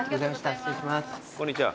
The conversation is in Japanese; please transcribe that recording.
こんにちは。